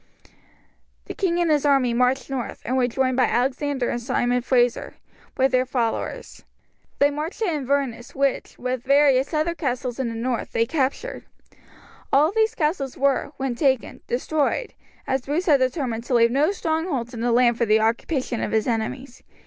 The king and his army marched north, and were joined by Alexander and Simon Frazer, with their followers. They marched to Inverness, which, with various other castles in the north, they captured. All of these castles were, when taken, destroyed, as Bruce had determined to leave no strongholds in the land for the occupation of his enemies.